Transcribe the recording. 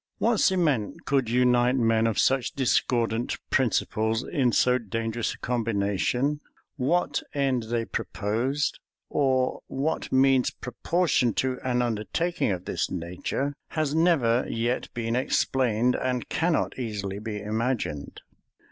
What cement could unite men of such discordant principles in so dangerous a combination, what end they proposed, or what means proportioned to an undertaking of this nature, has never yet been explained, and cannot easily be imagined.